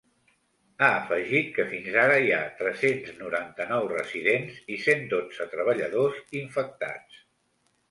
Ha afegit que fins ara hi ha tres-cents noranta-nou residents i cent dotze treballadors infectats.